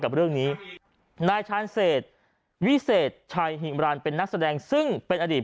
กับเรื่องนี้นายชาญเศษวิเศษชัยหิมรันเป็นนักแสดงซึ่งเป็นอดีต